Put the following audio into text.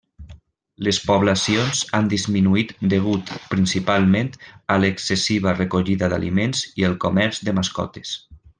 Les poblacions han disminuït degut principalment a l'excessiva recollida d'aliments i el comerç de mascotes.